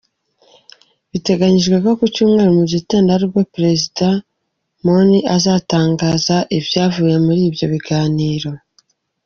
Biteganyijwe ko ku cyumweru mu gitondo aribwo Perezida Moon azatangaza ibyavuye muri ibyo biganiro.